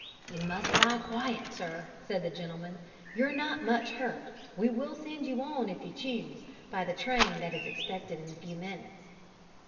"You must lie quiet sir," said the gentleman. "You're not much hurt. We will send you on, if you choose, by the train that is expected in a few minutes."